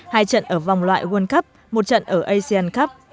hai trận ở vòng loại world cup một trận ở asean cup